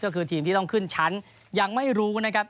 ก็คือทีมที่ต้องขึ้นชั้นยังไม่รู้นะครับ